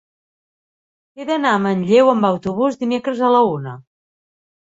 He d'anar a Manlleu amb autobús dimecres a la una.